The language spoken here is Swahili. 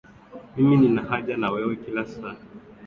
Mimi ninahaja na wewe kila saa